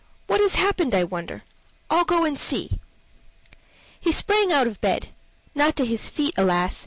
What has happened, I wonder? I'll go and see." He sprang out of bed, not to his feet, alas!